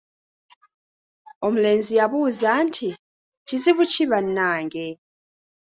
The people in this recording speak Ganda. "Omulenzi yabuuza nti, “Kizibu ki bannange?"""